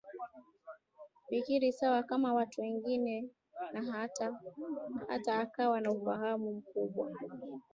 fikiri sawa kama watu wengine na hata akawa na ufahamu mkubwa